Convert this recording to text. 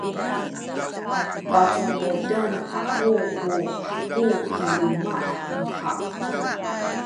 pacumuden aku ku haku i luma’ nu taw.